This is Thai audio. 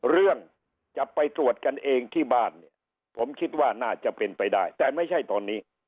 เรื่องจะไปตรวจกันเองที่บ้านเนี่ยผมคิดว่าน่าจะเป็นไปได้แต่ไม่ใช่ตอนนี้